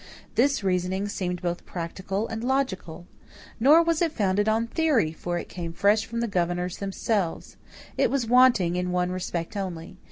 This reasoning seemed both practical and logical. Nor was it founded on theory, for it came fresh from the governors themselves. It was wanting in one respect only.